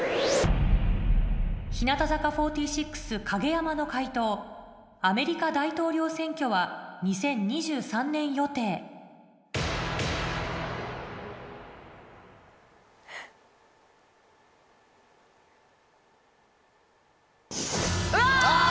日向坂４６・影山の解答アメリカ大統領選挙は２０２３年予定うわ！